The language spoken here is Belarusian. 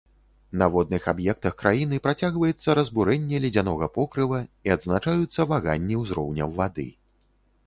На водных аб'ектах краіны працягваецца разбурэнне ледзянога покрыва і адзначаюцца ваганні ўзроўняў вады.